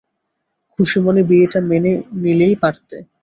খুশি মনে বিয়েটা মেনে নিলেই পারতে।